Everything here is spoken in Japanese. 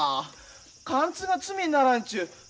かんつうが罪にならんちゅう。